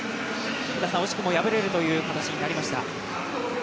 惜しくも敗れるという形になりました。